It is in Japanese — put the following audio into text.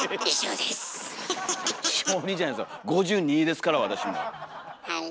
５２ですから私もう。